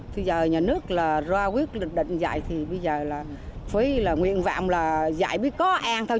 thì giờ nhà nước là ra quyết định dạy thì bây giờ là phí là nguyện vạm là dạy mới có an thôi